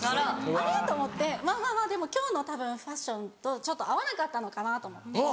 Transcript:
あれ？と思ってまぁでも今日のたぶんファッションとちょっと合わなかったのかなと思って。